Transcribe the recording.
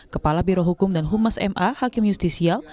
kepala birohukum dan humas ma hakim justisial